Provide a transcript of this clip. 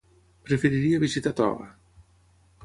Preferiria visitar Toga.